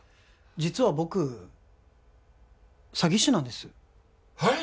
実は僕詐欺師なんですはい！？